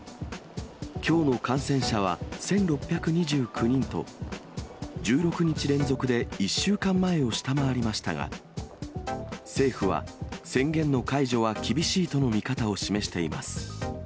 きょうの感染者は１６２９人と、１６日連続で１週間前を下回りましたが、政府は、宣言の解除は厳しいとの見方を示しています。